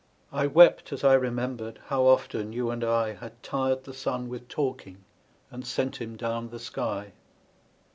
I wept as 1 remembered, how often you and I Had tired the sun with talking and sent him down the sky.